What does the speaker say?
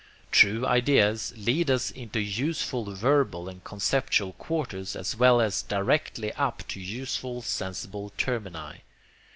True ideas lead us into useful verbal and conceptual quarters as well as directly up to useful sensible termini.